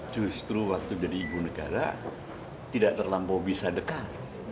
justru waktu jadi ibu negara tidak terlampau bisa dekat